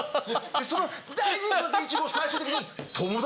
その大事に育ったイチゴを最終的に。